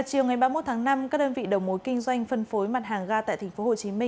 chiều ngày ba mươi một tháng năm các đơn vị đầu mối kinh doanh phân phối mặt hàng ga tại tp hcm